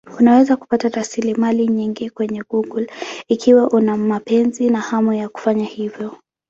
Unaweza kupata rasilimali nyingi kwenye Google ikiwa una mapenzi na hamu ya kufanya hivyo.